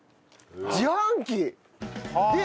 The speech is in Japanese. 自販機で。